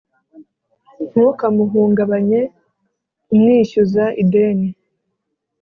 ntukamuhungabanye umwishyuza ideni